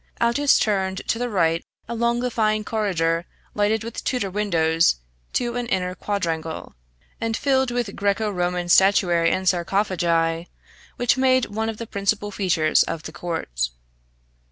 Aldous turned to the right along the fine corridor lighted with Tudor windows to an inner quadrangle, and filled with Graeco Roman statuary and sarcophagi, which made one of the principal features of the Court.